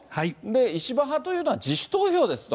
石破派というのは自主投票ですと。